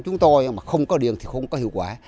chúng tôi mà không có điện thì không có hiệu quả